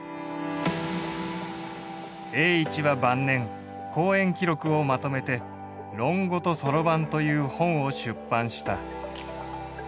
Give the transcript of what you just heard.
栄一は晩年講演記録をまとめて「論語と算盤」という本を出版した。